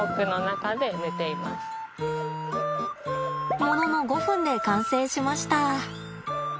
ものの５分で完成しました。